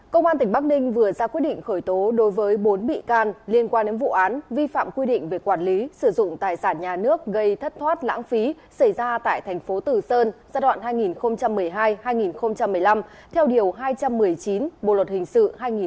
công an tỉnh bắc ninh vừa ra quyết định khởi tố đối với bốn bị can liên quan đến vụ án vi phạm quy định về quản lý sử dụng tài sản nhà nước gây thất thoát lãng phí xảy ra tại thành phố tử sơn giai đoạn hai nghìn một mươi hai hai nghìn một mươi năm theo điều hai trăm một mươi chín bộ luật hình sự hai nghìn một mươi năm